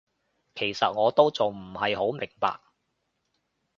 其實我都仲唔係好明白